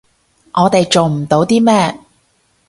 我哋做唔到啲咩